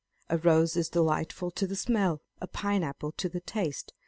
A rose is delightful to the smell, a pine apple to the taste.